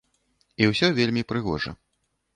І ўсё вельмі прыгожа.